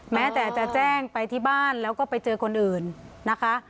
แม้แต่จะแจ้งไปที่บ้านแล้วก็ไปเจอคนอื่นนะคะ